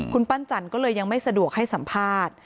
คุณปั้นจันก็เลยยังไม่สะดวกให้สัมภาษณ์